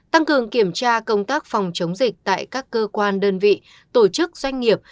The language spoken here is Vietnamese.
tăng cường kiểm tra công tác phòng chống dịch tại các cơ quan đơn vị tổ chức doanh nghiệp